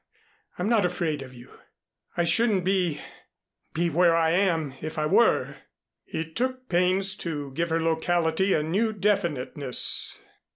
I'm not afraid of you. I shouldn't be be where I am, if I were." He took pains to give her locality a new definiteness.